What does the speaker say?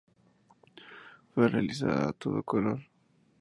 Fue realizada a todo color.